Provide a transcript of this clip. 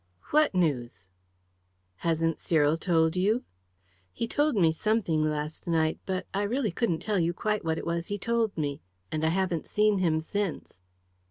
"What news?" "Hasn't Cyril told you?" "He told me something last night, but I really couldn't tell you quite what it was he told me, and I haven't seen him since."